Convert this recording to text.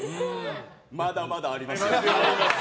まだまだあります！